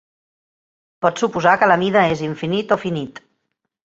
Pot suposar que la mida és infinit o finit.